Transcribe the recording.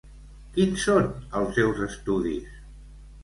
Quins són els seus estudis?